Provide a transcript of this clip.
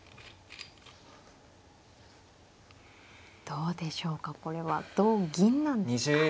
どうでしょうかこれは同銀なんですか。